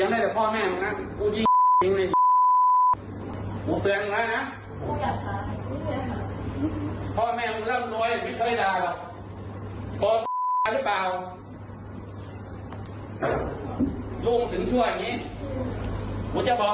ตอนนี้กำลังจะนึกว่าไอ้คนที่มันเกลียดพ่อจะฟัง